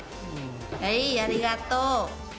はい、ありがとう。